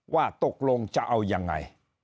ว่าตกลงจะเอายังไง